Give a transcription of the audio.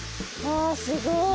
わすごい。